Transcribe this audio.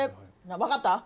分かった？